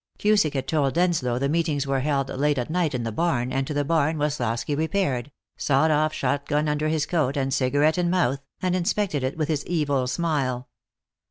Cusick had told Denslow the meetings were held late at night in the barn, and to the barn Woslosky repaired, sawed off shotgun under his coat and cigarette in mouth, and inspected it with his evil smile.